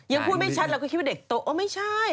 ยังพูดไม่ชัดเราก็คิดว่าเด็กโตโอ้ไม่ใช่